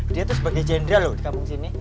dia tuh sebagai jenderal loh di kampung sini